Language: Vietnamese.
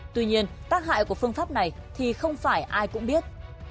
tuy nhiên tác hại của phương pháp này thì không phải ai cũng biết